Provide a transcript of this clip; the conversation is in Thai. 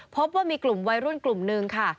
พบว่ามีกลุ่มวัยรุ่นกลุ่มนึงค่ะ